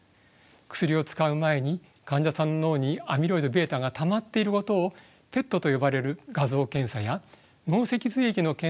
薬を使う前に患者さんの脳にアミロイドβがたまっていることをＰＥＴと呼ばれる画像検査や脳脊髄液の検査で証明します。